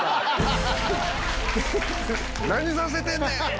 「何させてんねん！」。